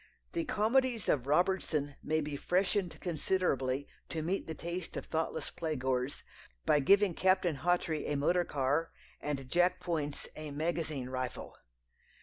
The comedies of Robertson may be "freshened" considerably to meet the taste of thoughtless play goers, by giving Captain Hawtrey a motor car and Jack Poyntz a magazine rifle.